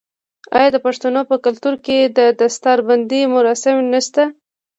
آیا د پښتنو په کلتور کې د دستار بندی مراسم نشته؟